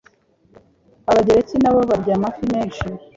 Abagereki, nabo barya amafi menshi.